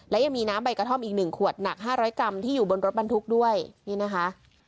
และยังมีน้ำใบกระท่อมอีกหนึ่งขวดหนักห้าร้อยกรัมที่อยู่บนรถบรรทุกด้วยนี่นะคะ